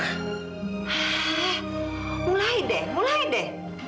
eh mulai deh mulai deh